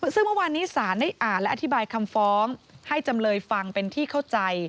ซึ่งเมื่อวานนี้ศาลได้อ่านและอธิบายคำฟ้องให้จำเลยฟังเป็นที่เข้าใจ